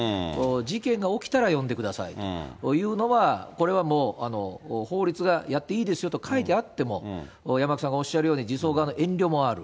事件が起きたら呼んでくださいというのは、これはもう、法律がやっていいですよと書いてあっても、山脇さんがおっしゃるように、児相が遠慮がある。